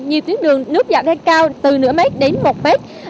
nhiều tuyến đường nước dạng đá cao từ nửa mét đến một mét